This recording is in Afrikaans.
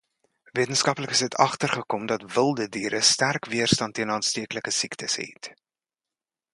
Wetenskaplikes het agtergekom dat wilde diere sterk weerstand teen aansteeklike siektes het.